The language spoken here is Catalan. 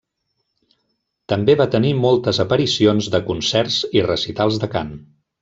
També va tenir moltes aparicions de concerts i recitals de cant.